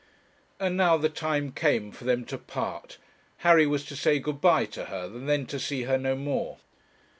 And now the time came for them to part. Harry was to say good bye to her, and then to see her no more.